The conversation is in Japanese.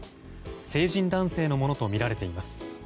成人男性のものとみられています。